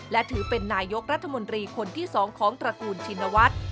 และถือเป็นนายกรัฐมนตรีคนที่๒ของตระกูลชินวัฒน์